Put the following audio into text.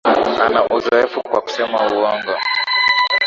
Ana uzoefu kwa kusema uongo